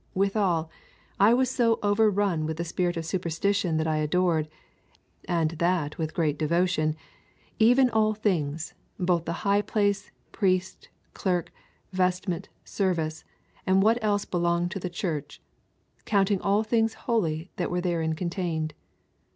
Withal, I was so overrun with the spirit of superstition that I adored, and that with great devotion, even all things, both the high place, priest, clerk, vestment, service, and what else belonged to the church: counting all things holy that were therein contained.